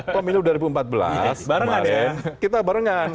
pemilu dua ribu empat belas kemarin kita barengan